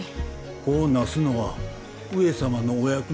子をなすのは上様のお役目。